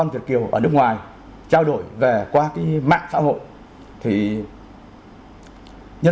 và kiểm nghiệm thông tin